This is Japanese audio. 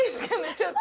ちょっと。